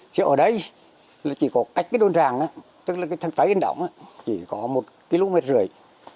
chứ ở đấy là chỉ có cách cái đôn ràng á tức là cái thằng tây yên động chỉ có một km rưỡi